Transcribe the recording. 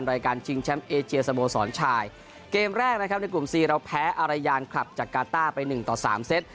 รายการชิงแชมป์เอเชียสโมสรชายเกมแรกนะครับในกลุ่มซีเราแพ้อารยานคลับจากกาต้าไปหนึ่งต่อสามเซต